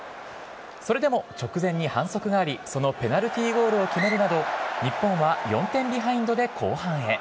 それでも、直前に反則があり、そのペナルティーゴールを決めるなど日本は４点ビハインドで後半へ。